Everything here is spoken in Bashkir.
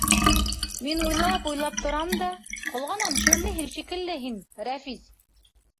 — Мин уйлап-уйлап торам да, ҡолғанан шөрләйһең шикелле һин, Рәфис?